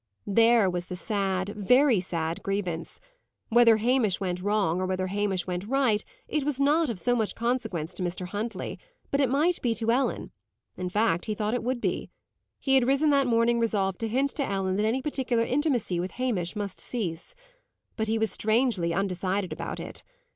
There was the sad, very sad grievance. Whether Hamish went wrong, or whether Hamish went right, it was not of so much consequence to Mr. Huntley; but it might be to Ellen in fact, he thought it would be. He had risen that morning resolved to hint to Ellen that any particular intimacy with Hamish must cease. But he was strangely undecided about it.